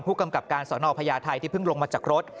ผู้กำกับการสอนอพญาไทยที่เพิ่งลงมาจากรถ